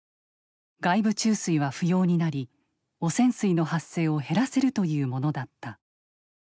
外部注水は不要になり汚染水の発生を減らせるというものだった。